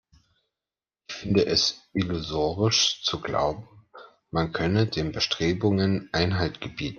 Ich finde es illusorisch zu glauben, man könne den Bestrebungen Einhalt gebieten.